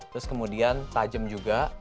terus kemudian tajem juga